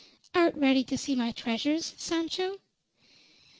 "Art ready to see my treasures, Sancho?"